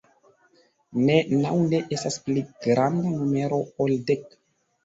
Ne, naŭ ne estas pli granda numero ol dek.